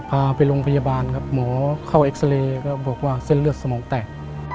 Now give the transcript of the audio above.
พาไปโรงพยาบาลครับหมอเข้าเอ็กซาเรย์ก็บอกว่าเส้นเลือดสมองแตก